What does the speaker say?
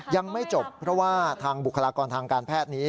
ยังไม่จบเพราะว่าทางบุคลากรทางการแพทย์นี้